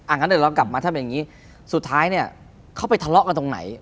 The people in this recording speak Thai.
อันนั้นเดี๋ยวกลับมาถ้าเป็นอย่างนี้สุดท้ายเขาไปทะเลาะกันตรงไหน